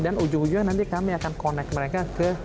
dan ujung ujungnya nanti kami akan connect mereka ke big investor